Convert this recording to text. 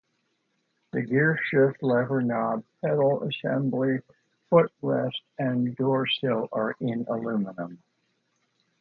The gearshift lever knob, pedal assembly, foot rest and door sill are in aluminium.